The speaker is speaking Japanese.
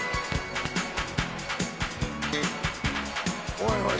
「おいおい。